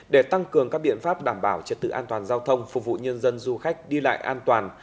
để tăng cường các biện pháp đảm bảo trật tự an toàn giao thông phục vụ nhân dân du khách đi lại an toàn